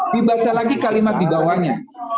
dibaca lagi kalimat di bawahnya